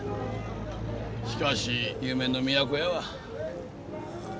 しかし夢の都やわ。